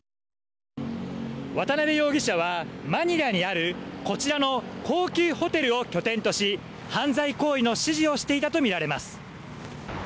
渡辺容疑者はマニラにあるこちらの高級ホテルを拠点とし、犯罪行為の指示をしていたとみられます。